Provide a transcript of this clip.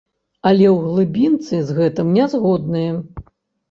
Але ў глыбінцы з гэтым не згодныя.